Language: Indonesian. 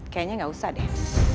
kayaknya gak usah deh